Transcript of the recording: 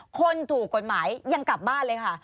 คนถูกกฎหมายยังกลับบ้านเลยค่ะ